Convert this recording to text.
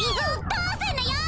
どうすんのよ！